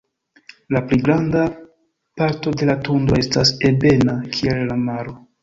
La pli granda parto de la tundro estas ebena kiel la maro.